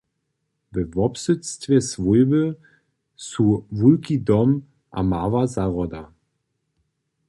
We wobsydstwje swójby su wulki dom a mała zahroda.